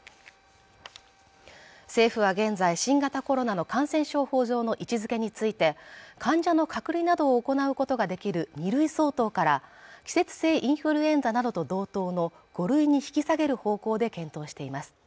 政府は現在新型コロナの感染症法上の位置づけについて患者の隔離などを行うことができる２類相当から季節性インフルエンザなどと同等の５類に引き下げる方向で検討しています